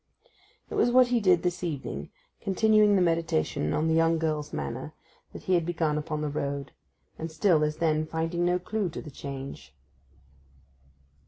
It was what he did this evening, continuing the meditation on the young girl's manner that he had begun upon the road, and still, as then, finding no clue to the change.